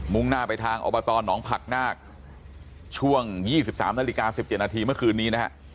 มุมหน้าไปทางอบตหนองพักนางช่วงยี่สิบสามนาฬิกาสิบเกิดนาทีมาคืนนี้นะห์